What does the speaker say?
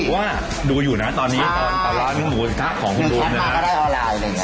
ว่าดูอยู่นะตอนนี้ตอนร้านหมูถ้าของคุณดูมนะฮะ